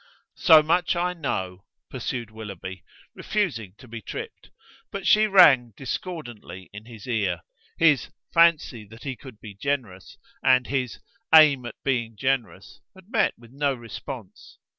"So much I know," pursued Willoughby, refusing to be tripped. But she rang discordantly in his ear. His "fancy that he could be generous" and his "aim at being generous" had met with no response.